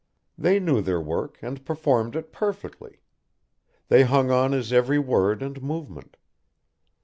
They knew their work and performed it perfectly, they hung on his every word and movement.